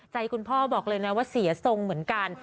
คุณพ่อบอกเลยนะว่าเสียทรงเหมือนกัน